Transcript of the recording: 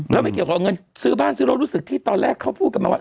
แล้วไม่เกี่ยวกับเงินซื้อบ้านซื้อรถรู้สึกที่ตอนแรกเขาพูดกันมาว่า